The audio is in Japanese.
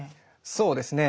そうですね。